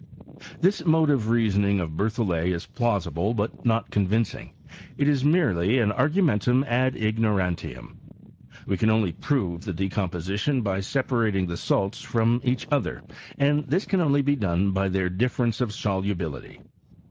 This mode of reasoning of Berthollet is plausible, but not convincing : it is merely an argumentutu ad ignorantiam. We can only prove the decom position by separating the salts from each other, and this can only be done by tlieir difference of solubility.